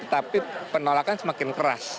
tapi penolakan semakin keras